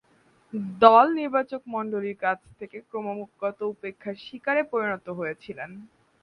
দল নির্বাচকমণ্ডলীর কাছ থেকে ক্রমাগত উপেক্ষার শিকারে পরিণত হয়েছিলেন।